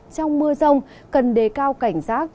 trong mưa rông cần đề cao cảnh giác